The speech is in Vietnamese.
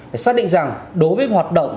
để xác định rằng đối với hoạt động